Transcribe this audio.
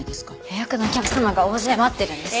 予約のお客様が大勢待ってるんです。